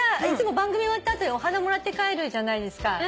いつも番組終わった後にお花もらって帰るじゃないですか。